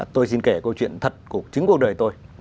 tôi xin kể câu chuyện thật của chính cuộc đời tôi